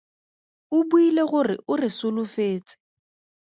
O buile gore o re solofetse.